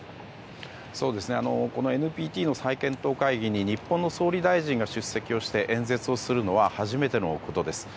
ＮＰＴの再検討会議に日本の総理大臣が出席をして演説をするのは初めてのことです。